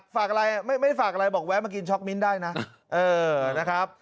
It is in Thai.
ฝากอะไรไม่ฝากอะไรบอกแวะมากินช็อกมิ้นได้นะ